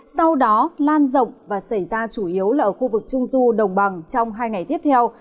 sau đó lan rộng và xảy ra chủ yếu là ở khu vực trung du đồng bằng trong hai ngày tiếp theo